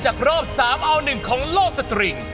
จากรอบ๓เอา๑ของโลกสตริงค์